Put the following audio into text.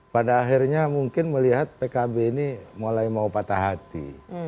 pada akhirnya mungkin melihat pkb ini mulai mau patah hati